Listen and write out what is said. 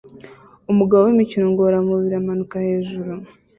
Umugabo wimikino ngororamubiri amanuka hejuru